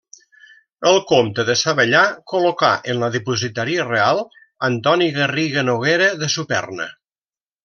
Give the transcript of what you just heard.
El comte de Savellà col·locà en la dipositaria reial Antoni Garriga Noguera de Superna.